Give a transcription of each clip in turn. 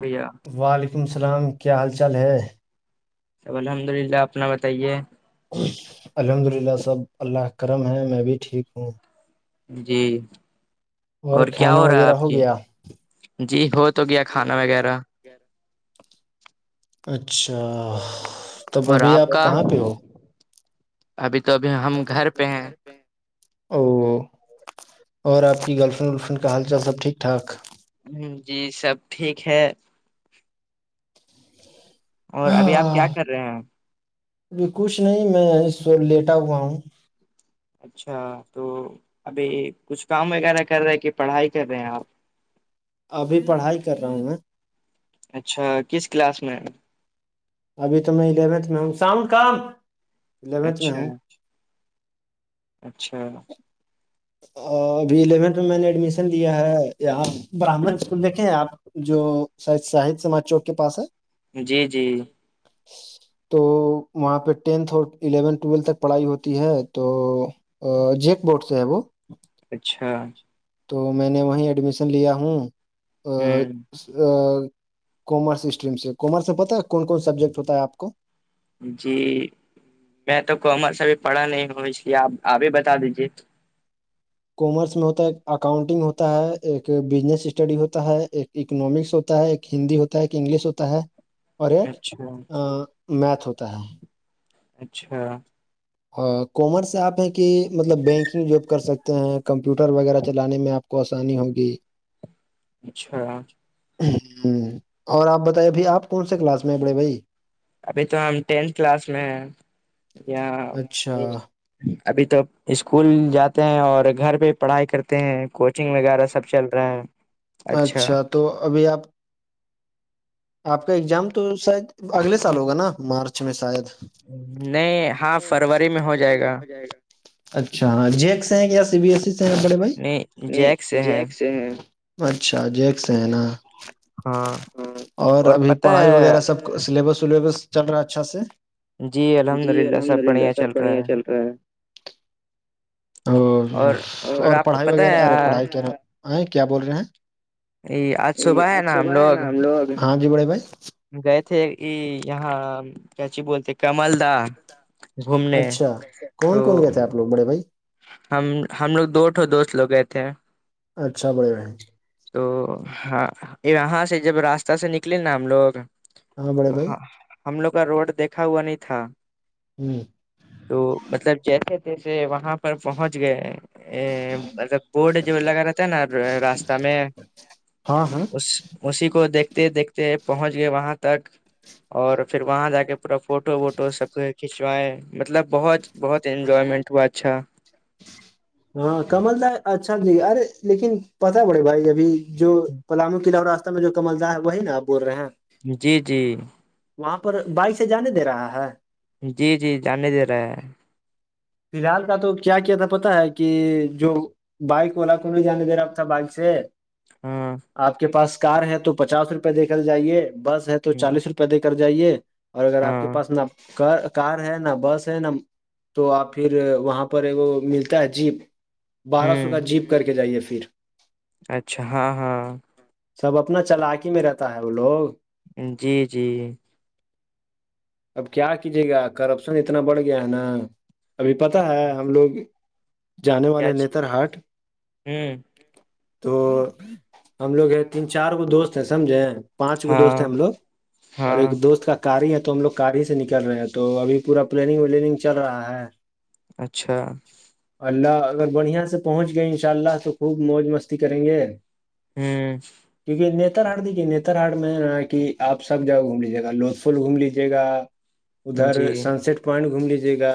بھیا وعلیکم السلام کیا حال چال ہے الحمد للہ اپنا بتائیے الحمد للہ سب اللہ کرم ہے میں بھی ٹھیک ہوں جی اور کیا کھانا ہو رہا ہے وغیرہ آپ کی گیا جی ہو تو گیا یہ ہو کھانا تو گیا وغیرہ اچھا تب اور ابھی آپ کا کہاں پہ ہو ابھی تو ابھی ہم گھر پہ ہیں او اور آپ کی گرل فرینڈ ولفرینڈ کا حال چال سب ٹھیک ٹھاک ہ جی سب ٹھیک ہے اور ابھی آپ ہاں، کیا کر رہے ہیں ابھی کچھ نہیں میں لیٹا ہوا ہوں اچھا تو ابھی کچھ کام وغیرہ کر رہے کہ پڑھائی کر رہے ہیں آپ ابھی پڑھائی کر رہا ہوں میں اچھا کس کلاس میں ابھی تو میں الیونتھ میں ہوں شام کام الیونتھ میں اچھا ہوں اچھا ابھی الیونتھ میں میں نے ایڈمیشن لیا ہے یہاں براہمن اسکول دیکھیں آپ جواہ شاہد سماج چوک کے پاس ہے جی جی تو وہاں پہ ٹینتھ اور الیونتھ ٹویلتھ تک پڑھائی ہوتی ہے تو جیک بوٹ سے ہیں وہ اچھا تو میں نے وہیں ایڈمیشن لیا ہوں ہوں کامرس اسٹریم سے کامرس میں پتا ہے کون کون سبجیکٹ ہوتا ہے آپ کو جی میں تو کامرس ابھی پڑھا نہیں ہوں اس لیے آپ آب بھی بتا دیجیے کامرس میں ہوتا ہے ایک اکاؤنٹنگ ہوتا ہے ایک بزنس اسٹڈی ہوتا ہے ایک اکنامکس ہوتا ہے ایک ہندی ہوتا ہے ایک انگلش ہوتا ہے اور ایک اچھا میتھ ہوتا ہے اچھا ہ کامرس آپ ہیں کہ مطلب بینکنگ جاب کر سکتے ہیں کمپیوٹر وغیرہ چلانے میں آپ کو آسانی ہوگی اچھا ہ اور آپ بتے بھائی آپ کون سے کلاس میں بڑے بھائی ابھی تو ہم ٹینتھ کلاس میں اچھا ابھی تو اسکول جاتے ہیں اور گھر پہ پڑھائی کرتے ہیں کوچنگ وغیرہ سب چل رہے ہیں اچھا تو ابھی آپ آپ کا اگزام تو شاید اگلے سال ہوگا نا مارچ میں شاید نہیں ہاں فروری میں ہو فروری میں ہو جائے گا اچھا جیک سے ہیں کیایا سی بی ایس ای سے ہیں بڑے بھائی نہیں جیک سے ہیں اچھا جیک سے ہے نا ہاں اور ابھی پتہ پڑھائی وغیرہ ہے سب سلیبس ولیبس چل رہا اچھا سے جی الحمد للہ سب بڑھیا چل رہا ہے اور اور آپ کو پڑھائی پتہ وغیرہ ارے ہے پڑھائی کیا کیا بول رہے ہیں جی آج صبح ہے نا ہم لوگ ہاں جی بڑے بھائی گئے تھے یہاں کیاچی بولتے کمل دا اچھا کون کون گ تھے آپ لوگ بڑے بھائی ہم ہم لوگ دوٹو دوست لوگ گئے تھے اچھا بڑے رہ ہیں تو ہاں یہاں سے جب راستہ سے نکلے نا ہم لوگ ہاں بڑے تو بھائی ہم لوگ کا روڈ دیکھا ہوا نہیں تھا ہوں تو مطلب جیسے تیسے وہاں پر پہنچ گئے ا بورڈ ج لگ رہاتا ہےا ر سے ہاں ہاں اس اسی کو دیکھتے دیکھتے پہنچ گئے وہاں تک اور پھر وہاں جا کے پورا فوٹو ووٹو سب کھینچوائے مطلب بہت بہت انجوائمنٹ ہوا اچھا ہاں کمل داس اچھا ج ارے لیکن پت بڑے بھائی ابھی جو پلامو قلعہ اور راستہ میں جو کمل دار ہے وہی نا آ بول رہے ہیں جی جی وہاں پر بائک سے جانے دے رہا ہے جی جی جاننے دے رہا ہے فی الحال کا تو کیا کیا تھا پتا ہے کہ جو بائک وولا کو بھی جانے د راب تھا بائک سے ہاں آپ کے پاس کار ہے تو پچاس روپئے دیکھل جائیے بس ہے تو چالیس روپئے پ دے کر جائیے اور اگر آپ کے ہاں پاس نہ ک کار ہے نہ بس ہے نہ تو آپ پھر وہاں پر ایک ملتا ہے جیپ بارہ سو ہوں کا جیپ کر کے جائیے پھر اچھا ہاں ہاں سب اپنا چلاکی میں رہتا ہے وہ لوگ جی جی اب کیا کیجیے گا کرپشن اتنا بڑھ گیا ہے نا ابھی پتا ہے ہم لوگ جانے والے کیا چی نتر ہاٹ ہوں تو ہم لوگ یہ تین چار گ دوست ہیں سمجھے پانچ گو دوست ہاں ہیں ہم لوگ اور ایک ہاں دوست کا کاراری ہے تو ہم لوگ کار ہی سے نکل رہے ہیں تو ابھی پورا پلاننگ ولیننگ چل رہا ہے اچھا اللہ اگر بڑھیا سے پہنچ گئے انشاء اللہ تو خوب موج مستی کریں گے ہوں کیونکہ نیتر ہاٹ دیکھیے نیتر ہاٹ میں آپ سب جگہ گھوم لیجیے گا لوت فل گھوم لیجیے گا جی ادھر سن سٹ پوائنٹ گھوم لیجیے گا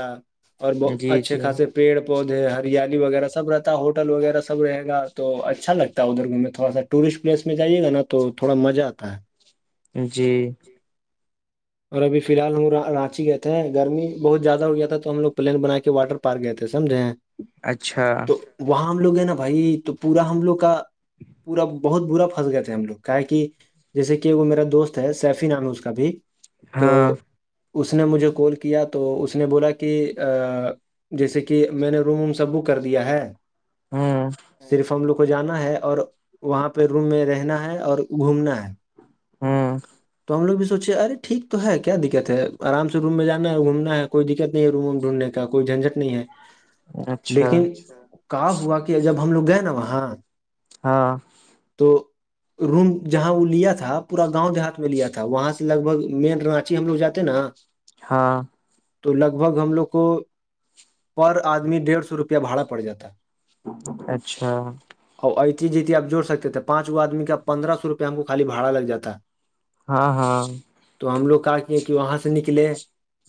اور بت جی اچھے جی خاصے پیڑ پودے ہریالی وغیرہ سب رہتا ہے ہوٹل وغیرہ سب رہے گا تو اچھا لگتا ہے ادھر گھومنے تھوڑا سا ٹورسٹ پلیس میں جائیے گا نا تو تھوڑا مزہ آتا ہے جی اور ابھی فی الحال ہم رانچی گئے تھ ہیں گرمی بہت زیادہ ہو گیا تھا تو ہم لوگ پلین بنا کے واٹر پارک گئے تھے سمجھے ہیں اچھا تو وہاں ہم لوگ ہیں نا بھائی تو پورا ہم لوگ کا پورا بہت برا پھنس گئے تھے ہم لوگ کا کہ جیسے کہ وہ میرا دوست ہے سیفی نام ہے اس کا بھی ہاں تو اس نے مجھے کال کیا تو اس نے بولا کہ جیسے کہ میں نے روم ووم سب بک کر دیا ہے ہوں صرف ہم لوگ کو جانا ہے اور وہاں پہ روم میں رہنا ہے اور گھومنا ہے ہاں تو ہم لگ بھی سوچے آے ٹھیک تو ہے کیا دقت ہے آرام سے روم میں جانا ہے اور گھومنا ہے کوئی دقت نہیں ہے روم ووم ڈھونڈنے کا کوئی جھنجٹ نہیں ہے اچھا لیکن کہ ہوا کہ جب ہم لوگ گئے نا وہاں ہاں تو روم جہاں وہ لیا تھا پورا گاؤں دیہات میں لیا تھا وہاں سے لگ بھگ مین رانچی ہم لوگ جات ہیں نا ہاں تو لگ بھگ ہم لوگ کو پر آدمی ڈیڑھ سو روپیہ بھڑا پڑ جاتا ہے اچھا اور ایتی جیتیپ جوڑ سکتے تھے پانچ وہ آدمی کا پندرہ سوپے ہم کو خالی باڑا لگ جاتا ہاں ہاں تو ہم لوگ کہ کیے کہ وہاں سے نکلے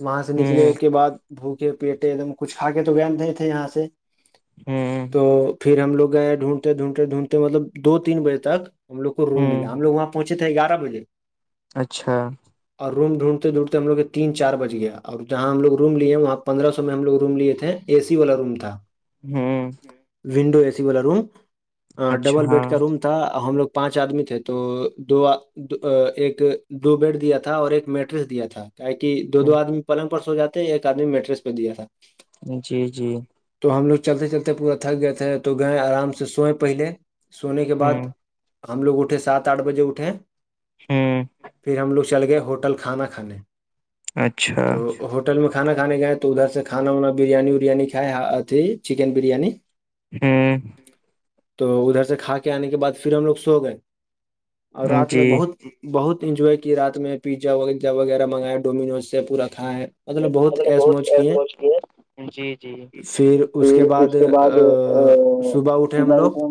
وہاں سے نکلے ہوں کے بعد بھوکے پیٹے ایک دم کچھ کھا کے تو گد نہیں تھے یہاں سے ہوں تو پھر ہم لگ گئے ہیں ڈھونڈتے ڈھونڈتے ڈونڈتے مطلب دو تین بجے تک ہم لو کو روم ہوں ملا ہم لوگ وہاں پہنچ تھ گارہ بجے اچھا اور روم ڈھونڈتے ڈھونڈتے ہم لوگ تین چار بج گیا اور جہاں ہم لوگ روم لیے وہاں پندرہ سو میں ہم لگ روم لیے تھے اے سی والا روم تھا ہوں ونڈو اے سی والا روم ہ اچھا ڈبل بیڈ کا ہاں روم تھا ہم لوگ پانچ آدمی تھے تو دو ایک دو بیڈ دیا تھا اور ایک میٹرس دیا تھا کہ دو دو آدمی پلنگ پر سواتے ایک آدمی میٹریس پہ دیا تھا جی جی تو ہم لوگ چلتے چلتے پورا تھک گئے تھے تو گئے آرام سے سوئے پہلے سونے کے بعد ہوں ہم لوگ اٹھے سات آٹھ بجے اٹھے ہوں پھر ہم لوگ چل گئے ہوٹل کھانا کھانے اچھا تو ہوٹل میں کانا کھانے گئے تو ادھر سے کانا وانا بریانی وریانی کھائے اھی چکن بریانی ہوں تو ادھر سے کھا کے آنے کے بعد پھر ہم لوگ سو گئے اور رات میں جی بہت بہت انجوائے کی رات میں پیزا وغیرہ منگائے ہے ڈومینوز سے پورا کھا ہے مطلب بہت نے ایس موج کیے واچ کی ہے جی جی پھر اس کے بعد ا صبح اٹھے ہم لوگ [inaudible]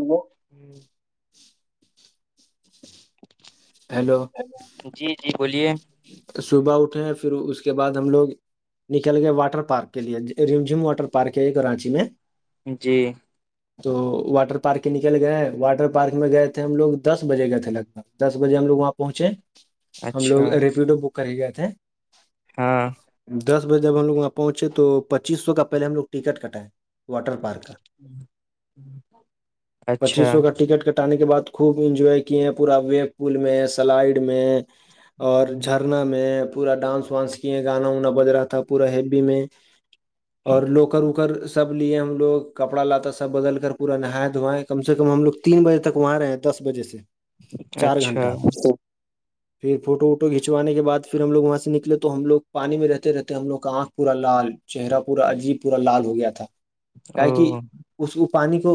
ہیلو جی جی بولیے صبح اٹھے پھر اس کے بعد ہم لوگ نکل گئے واٹر پارک کے لیے رم جھم واٹر پارک ہے یہ کراچی میں جی تو واٹر پارک کے نکل گئے واٹر پارک میں گئے تھے ہم لوگ دس بجے گئے تھے لگ بھگ دس بجے ہم لوگ وہاں پہنچے ہم اچھا لوگ ریفیوٹو بک کرے گئے تھے ہاں دس بجے جب ہم لوگ وہاں پہنچے تو پچیس سو کا پہلے ہم لوگٹکٹ کٹائے واٹر پارک کا پچیس اچھا سو کا ٹکٹ ک ہٹانے کے بعد خوب انجوائے کیے ہیں پورا ویم پل میں سلائڈ میں اور نا میں پورا ڈانس وانس کیے گانا وانا بج رہا تھا پورا ہیبی میں اور لوکر اوکر [inaudible] سب لیے ہم لگ کپڑا لاتا سب بدل کر پورا نہائے دھوائیں کم سے کم ہم لوگ تین بجے تک وہاں رہ تھ دس بجے سے چار اچھا گھنٹہ پھر فوٹ اوٹ فوٹو کھنچانے کے بع پھر ہم لوگ وہاں سے نکلے تو ہم لگ پانی میں رہتے رہتے ہیں ہم لوگ کا آنکھ پورا لال چہرہ پورا عجیب پورا لال ہو گیا تھا کیا کہ او اس پانی کو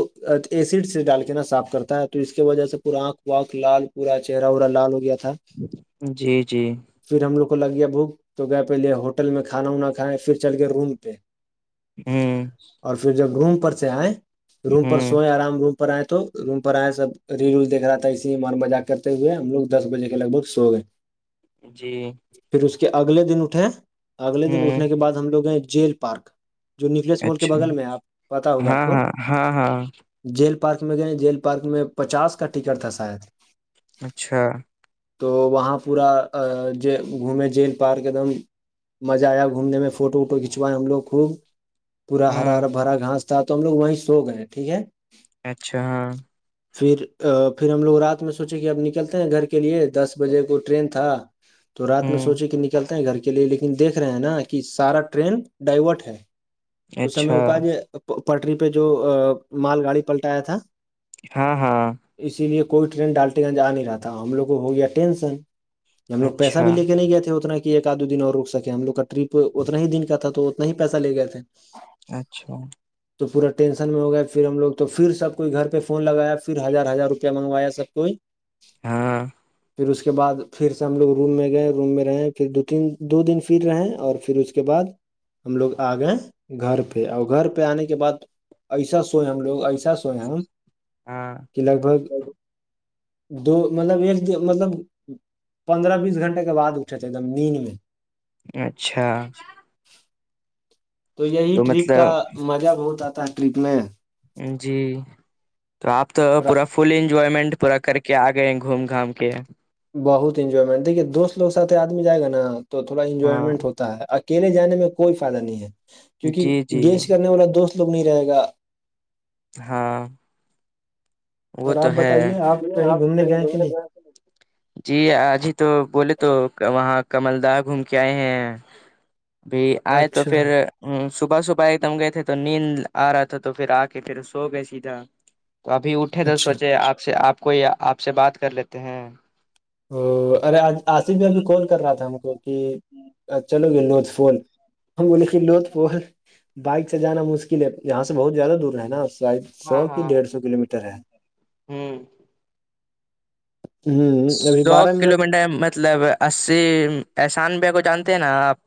ایسڈ سے ڈال کے نا صاف کرتا ہے تو اس کی وجہ سے پورا آنکھ وکھ لال پورا چہرہ اورا لال ہو گیا تھا جی جی پھر ہم لوگ کو لگ گیا بھوک تو گئے پہلے ہوٹل میں کھانا وناا کھائے پھر چل گئے روم پہ ہوں اور پھر جب روم پر سے آئے روم پر ہوں سوئے آرام روم پر آئے تو روم پر آئے سب ریل ول دیک رہا تھا اسی من مجاق کرتے ہوئے ہم لوگ دس بجے کے لگ بگ سو گئے جی پھر اس کے اگلے دن اٹھے اگلے دن ہوں اٹھنے کے بعد ہم لوگ گئے جیل پارک جو نیکلیس مال کے اچھا بغل میں آپ پت ہوگا ہاں آپ کو ہاں ہاں ہاں جیل پارک میں گئے جیل پارک میں پچاس کا ٹکٹ تھا شاید اچھا تو وہاں پورا ج گھومے جیل پارک ایک دم مزہ آیا گھومنے میں فوٹو ووٹو کھنچوائے ہم لوگ خوب پورا ہرا ہاں ہرا ہھرا گھاس تھا تو ہم لوگ وہیں سو گئے ٹھیک ہے اچھا ہاں پھر پھر ہم لوگ رات میں سوچے کہ اب نکلتے ہیں گھر کے لیے دس بجے کو ٹرین تھا تو رات میں ہوں سوچے کہ نکلتا ہیں گھر کے لیے لیکن دیکھ رہے ہیں نا کہ سارا ٹرین ڈائورٹ ہے اس سمے اچھا وہ کا جو پٹری پہ جو مال گاڑی پلٹایا تھا ہاں ہاں اسی لیے کوئی ٹرین ڈالٹے گنجا نہیں رہاتا ہم لوگ کو ہو گیا ٹینشن ہم لوگ پیسہ اچھا بھی لے کے نہیں گئے تھے اتنا کہ ایک آد دو دن اور رک سکے ہم لوگ کا ٹرپ اتنا ہی دن کا تھا تو اتنا ہی پیسہ لے گئے تھے اچھا تو پورا ٹینشن میں ہو گیا پھر ہم لگ تو پھر سب کوئی گھر پہ فون لگایا پھر ہزار ہزار روپیہ منگایا سب کوئی ہاں پھر اس کے بعد پھر سے ہم لوگ روم میں گئے روم میں رہے پھر دو تین دو دن پھر رہے اور پھر اس کے بعد ہم لوگ آ گئے گھر پہ اور گھر پہ آنے کے بعد ایسا سوئے ہم لوگ ایسا سوئے ہم ہاں کہ لگ بھگ دو مطلب ایک دن مطلب پندرہ بیس گنٹ کے بعد اٹھتے ایک دم نیند میں اچھا تو یہی ٹرپ تھا مزہ بہت آتا ہے ٹرپ میں جی تو آپ تو را- پورا فل انجوائمنٹ پورا کر کے آگیے گئے گھوم گھام کے بہت انجوائمنٹ دکھیے دوست لوگ ساتھ آدمی جائے گا نا تو تھوڑا ہاں انجوائمنٹ ہوتا ہے اچھا اکیلے جانے میں کوئی فائدہ نہیں ہے کیونکہ جی جی گینس کرنے والا دوست لوگ نہیں رہے گا ہاں وہ اور آپ تو ہے بتائیے آپ کہیں گھومنے گئے کہ نہیں جی آج ہی تو بولے تو وہاں کمل دہ گھوم کے آئے ہیں ابھی آئے تو اچھا پھر ہمم صبح صبح ایک دم گئے تھے تو نیند آ رہا تھا تو پھر آ کے پھر سو گئے سیدھا تو ابھی اٹھے تو اچھا سوچے آپ سے آپ کوئی آپ سے بات کر لیتے ہیں ارے آصف بھی ابھی کال کر رہا تھا ہم کو کہ [inaudible] چلو گے لوت فول ہم بولے کہ لوت فول بائک سے جانا مشکل ہے یہاں سے بہت زیادہ دور ہے نا شاید ہاں سو کی ہاں ڈیڑھ سو کلو میٹر ہے ہمم ہ ابھی سو بارہ کلو منٹ میٹر مطلب اسی احسان بیا کو جانتے ہیں نا آپ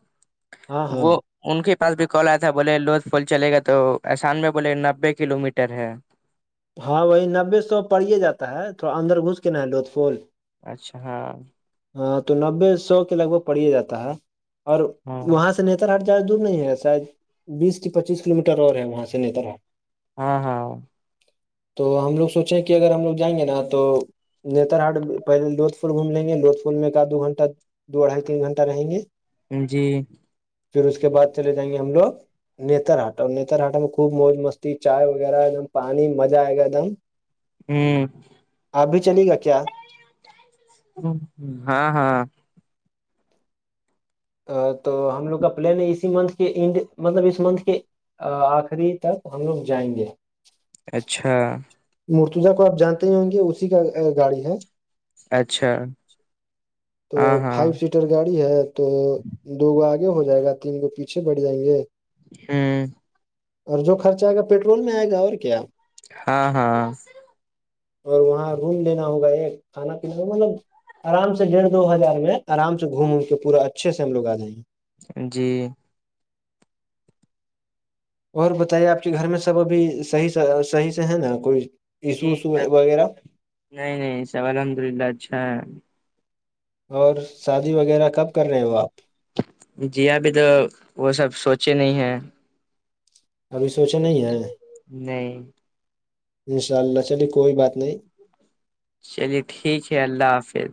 ہاں ہاں وہ ان کے پاس بھی کل آیا تھا بولے لوت فول چلے گا تو احسان میں بولے نبے کلو میٹر ہے ہاں وہی نبے سو پڑے جاتا ہے تھوڑا اندر گھس کے نا ہے لوت پھول اچھا ہاں ہاں تو نبے سو کے لگ بھگ پڑے جاتا ہے اور وہاں سے نیتر ہاٹ زیادہ دور نہیں ہے شاید بیس پچیس کلو میٹر اور ہے وہاں سے نیتر ہاٹ ہاں ہاں تو ہم لوگ سوچیں کہ اگر ہم لوگ جائیں گے نا تو نیتر ہاٹ پہلے لوت فول گھوم لیں گے لوت فول فول میں کا دو گھنہ دو ڈھائی تین گھنٹہ رہیں گے جی پھر اس کے بعد چلے جائیں گے ہم لوگ نتر ہاٹ نتر ہاٹٹ میں خوب موج مستی چائے وغیرہ ایک دم پانی مزہ آئے گا ایک دم ہمم آپ بھی چلیے گا کیا ہاں ہاں تو ہم لوگ کا پلان ہے اسی منتھ کے انڈ مطلب اس منتھ کے آخری تک ہم لوگ جائیں گے اچھا مرتوزا کو آپ جانتے ہی ہونگے اسی کا گاڑی ہے اچھا تو ہاں ہاں فائیو سیٹر گاڑی ہے تو دو گو آگے ہو جائے گا تین گو پیچھے بڑ جائیں گے ہاں اور جو خرچہ آئے گا پیٹرول میں آئے گا اور کیا ہاں ہاں اور وہاں روم لینا ہوگا یہ کھانا پیین کا مطلب آرام سے ڈیڑھ دو ہزار میں آرام سے گھوموم کے پورا اچھے سے ہم لوگ آ جائیں گے جی اور بتائیے آپ کے گھر میں سب ابھی صحیح صحیح سے ہے نا کوئی ایشو جی وشو سب وغیرہ نہیں نہیں سب الحمد للہ اچھا ہے اور شادی وغیرہ کب کر رہے ہو آپ جی ابھی تو وہ سب سوچے نہیں ہیں ابھی سوچے نہیں ہیں نہیں ان شاء اللہ چلیے کوئی بات نہیں چلیے ٹھیک ہے اللہ حافظ